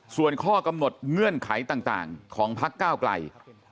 ส่วนข้อกำหนดเงื่อนไขต่างของพักก้าวไกล